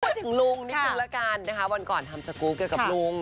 พูดถึงลุ้งนิดหนึ่งแล้วกันวันก่อนทำสกุลเกี่ยวกับลุ้ง